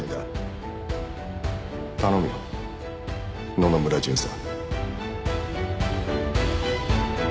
頼むよ野々村巡査。